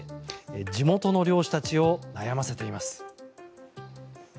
地元の漁師たちを悩ませています。